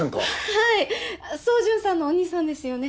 はい宗純さんのお兄さんですよね？